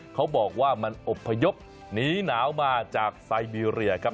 เขาบอกว่ามันอบพยพหนีหนาวมาจากไซเบียครับ